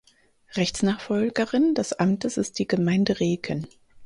Rechtsnachfolgerin des Amtes ist die Gemeinde Reken.